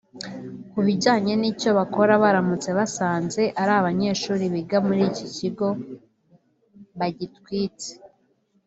Ku bijyanye n’icyo bakora baramutse basanze ari abanyeshuri biga muri iki kigo bagitwitse